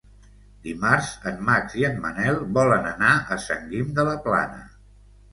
Dimarts en Max i en Manel volen anar a Sant Guim de la Plana.